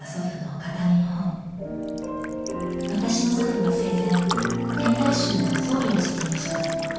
私の祖父は生前天台宗の僧侶をしていました。